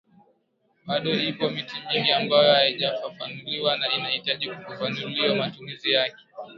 Bado ipo miti mingi ambayo haijafafanuliwa na inahitaji kufafanuliwa matumizi yake